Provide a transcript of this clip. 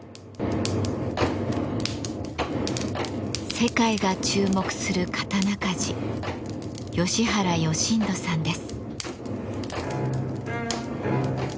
世界が注目する刀鍛冶吉原義人さんです。